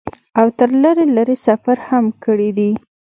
او تر لرې لرې سفرې هم کړي دي ۔